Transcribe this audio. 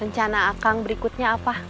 rencana akang berikutnya apa